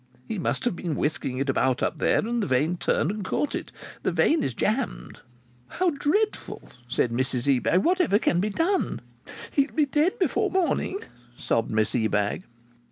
He must have been whisking it about up there, and the vane turned and caught it. The vane is jammed." "How dreadful!" said Mrs Ebag. "Whatever can be done?" "He'll be dead before morning," sobbed Miss Ebag.